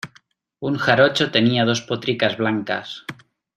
un jarocho tenía dos potricas blancas.